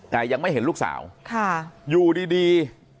แต่ยังไม่เห็นลูกสาวอยู่ดี